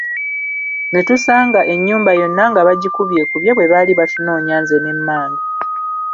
Ne tusanga ennyumba yonna nga bagikubyekubye bwe baali batunoonya nze ne mmange.